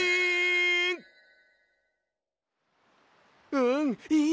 うんいい！